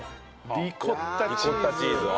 リコッタチーズを。